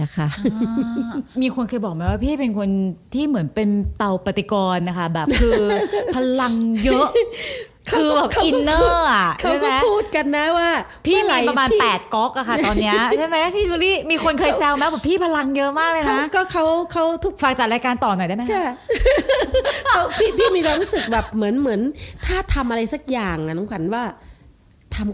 พี่มีคนเคยบอกมาว่าพี่เป็นเขาแบบเป็นเต้าปกติกรนะคะ